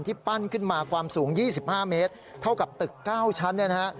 ปั้นขึ้นมาความสูง๒๕เมตรเท่ากับตึก๙ชั้นเนี่ยนะฮะ